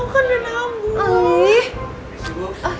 harian maafkan dina bu